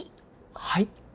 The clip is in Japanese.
はい？